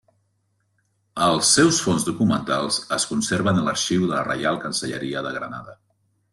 Els seus fons documentals es conserven a l'Arxiu de la Reial Cancelleria de Granada.